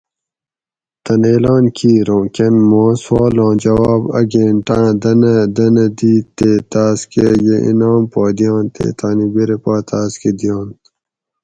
تن اعلان کیر اوں کن ما سوالاں جواب ا گھنٹآۤں دننہ دننہ دِیت تے تاۤس کہ یہ انعام پا دئنت تے تانی بِرے پا تاۤس کہ دئینت